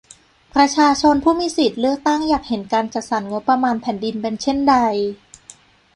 ประชาชนผู้มีสิทธิ์เลือกตั้งอยากเห็นการจัดสรรงบประมาณแผ่นดินเป็นเช่นใด ?